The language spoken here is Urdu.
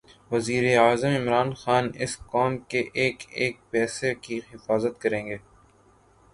وزیراعظم عمران خان اس قوم کے ایک ایک پیسے کی حفاظت کریں گے